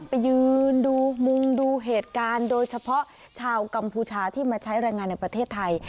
ไปยืนดูมุงดูเหตุการณ์โดยเฉพาะชาวกัมพูชาที่มาใช้แรงงานในประเทศไทย